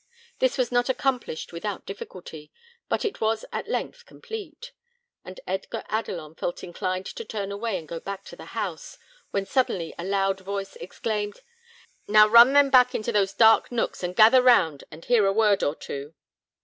This was not accomplished without difficulty, but it was at length complete; and Edgar Adelon felt inclined to turn away and go back to the house, when suddenly a loud voice exclaimed, "Now run them back into those dark nooks, and gather round and hear a word or two."